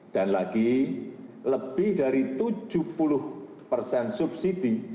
dan lagi lebih dari tujuh puluh persen subsidi